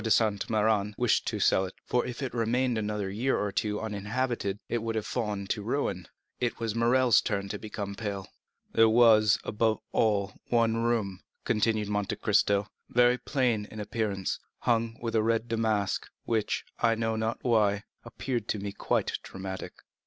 de Saint Méran wished to sell it; for if it had remained another year or two uninhabited it would have fallen to ruin." It was Morrel's turn to become pale. "There was, above all, one room," continued Monte Cristo, "very plain in appearance, hung with red damask, which, I know not why, appeared to me quite dramatic."